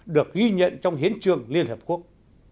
được ghi nhận trong hiến trường liên hợp quốc